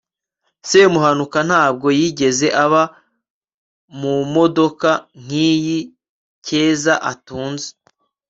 semuhanuka ntabwo yigeze aba mumodoka nkiyi keza atunze